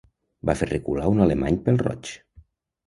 Va fer recular un alemany pèl-roig